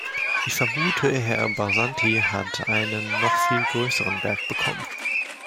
Ich vermute, Herr Barzanti hat einen noch viel größeren Berg bekommen.